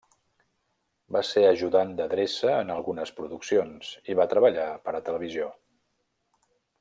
Va ser ajudant d'adreça en algunes produccions i va treballar per a televisió.